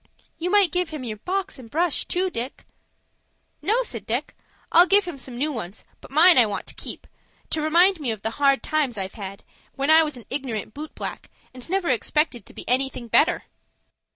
"You might give him your box and brush, too, Dick." "No," said Dick; "I'll give him some new ones, but mine I want to keep, to remind me of the hard times I've had, when I was an ignorant boot black, and never expected to be anything better."